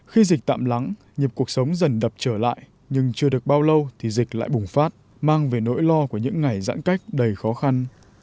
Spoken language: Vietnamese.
khi dịch tạm lắng nhịp cuộc sống dần đập trở lại nhưng chưa được bao lâu thì dịch lại bùng phát mang về nỗi lo của những ngày giãn cách đầy khó khăn